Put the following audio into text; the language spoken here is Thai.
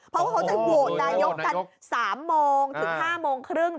เพราะว่าเขาจะโหวตนายกกัน๓โมงถึง๕โมงครึ่ง